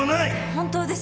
本当です。